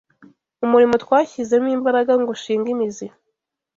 umurimo twashyizemo imbaraga ngo ushinge imizi